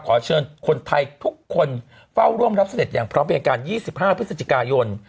ขอเชิญคนไทยทุกคนเฝ้าร่วมรับเสด็จอย่างพร้อมบริการ๒๕พฤศจิกายน